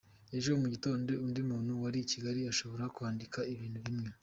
Ejo mu gitondo, undi muntu muri Kigali ashobora kwandika ibintu bimwe.